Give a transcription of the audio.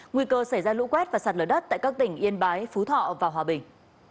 nguy cơ xảy ra lũ quét và sạt lở đất tại các tỉnh yên bái phú thọ và hòa bình